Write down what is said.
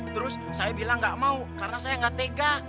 terus saya bilang gak mau karena saya gak tega